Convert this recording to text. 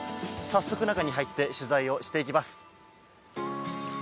早速、中に入って取材をしていきます。